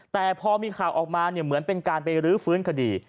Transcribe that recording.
แต่พอมีข่าวออกมาเหมือนเป็นการไปรื้อฟื้นคดี